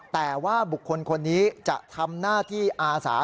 แต่ว่าบุคคลคนนี้จะทำหน้าที่อาสา